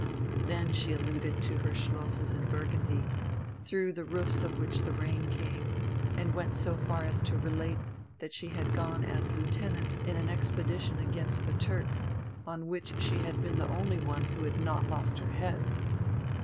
Then she alluded to her Schlosses in Burgundy, through the roofs of which the rain came, and went so far as to relate that she had gone as lieutenant in an expedition against the Turks, on which she had been the only one who "had not lost her head."